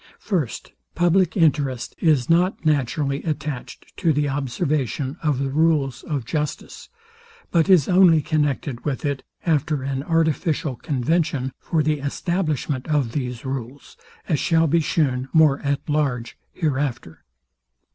First, public interest is not naturally attached to the observation of the rules of justice; but is only connected with it, after an artificial convention for the establishment of these rules, as shall be shewn more at large hereafter.